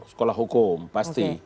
sekolah hukum pasti